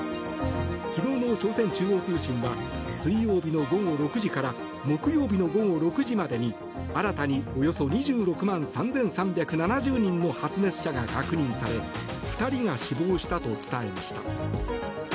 昨日の朝鮮中央通信は水曜日の午後６時から木曜日の午後６時までに新たにおよそ２６万３３７０人の発熱者が確認され２人が死亡したと伝えました。